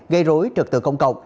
gây rối trực tự công cộng